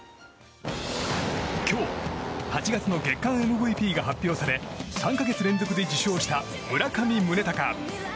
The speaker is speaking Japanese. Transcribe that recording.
今日、８月の月間ＭＶＰが発表され３か月連続で受賞した村上宗隆。